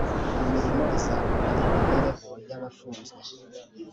imirimo izamura imibereho y abafunzwe